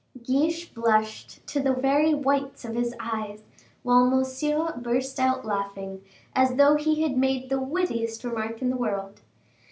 Guiche blushed to the very whites of his eyes, while Monsieur burst out laughing, as though he had made the wittiest remark in the world.